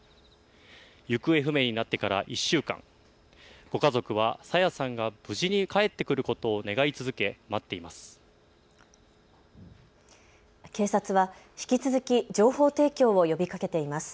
行方不明になってから１週間、ご家族は朝芽さんが無事に帰ってくることを願い続け待っています。